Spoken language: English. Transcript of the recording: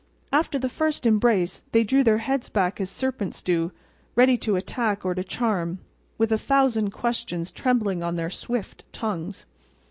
After the first embrace they drew their heads back as serpents do, ready to attack or to charm, with a thousand questions trembling on their swift tongues.